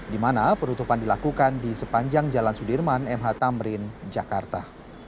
dimana perutupan dilakukan di sepanjang jalan sudirman mh tamrin jakarta